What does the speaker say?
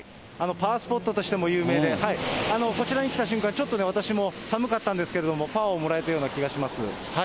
パワースポットとしても有名で、こちらに来た瞬間、ちょっとね、私も寒かったんですけれども、パワーをもらえたような気がします。